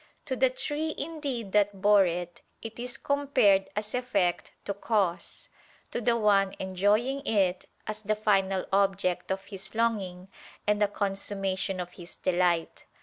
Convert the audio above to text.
To the tree indeed that bore it, it is compared as effect to cause; to the one enjoying it, as the final object of his longing and the consummation of his delight.